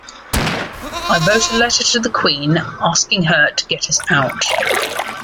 I wrote a letter to the Queen, asking her to get us out.